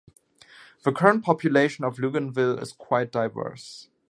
The current population of Luganville is quite diverse.